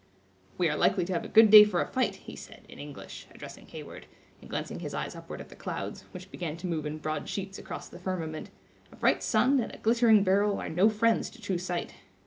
"We are likely to have a good day for a fight," he said, in English, addressing Heyward, and glancing his eyes upward at the clouds, which began to move in broad sheets across the firmament; "a bright sun and a glittering barrel are no friends to true sight.